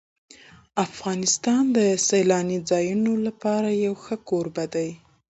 افغانستان د سیلاني ځایونو لپاره یو ښه کوربه دی.